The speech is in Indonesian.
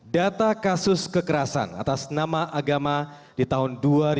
data kasus kekerasan atas nama agama di tahun dua ribu dua